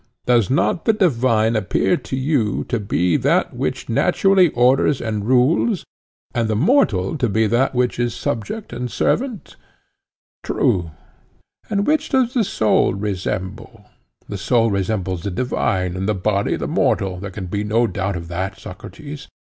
Does not the divine appear to you to be that which naturally orders and rules, and the mortal to be that which is subject and servant? True. And which does the soul resemble? The soul resembles the divine, and the body the mortal—there can be no doubt of that, Socrates.